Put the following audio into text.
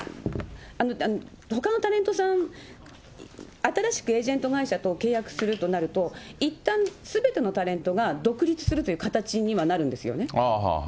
ほかのタレントさん、新しくエージェント会社と契約するとなると、いったんすべてのタレントが独立するという形にはなるんですよね。